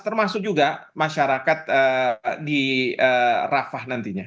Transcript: termasuk juga masyarakat di rafah nantinya